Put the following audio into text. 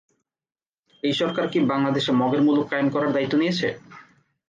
এই সরকার কি বাংলাদেশে মগের মুলুক কায়েম করার দায়িত্ব নিয়েছে?